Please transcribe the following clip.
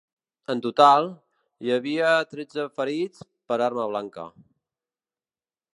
En total, hi havia tretze ferits per arma blanca.